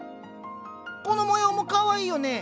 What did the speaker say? この模様もかわいいよね。